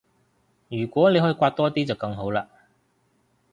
如果你可以搲多啲就更好啦